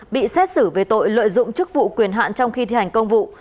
bị xét xử về tội lợi dụng chức vụ quyền hạn trong khi thi hành công vụ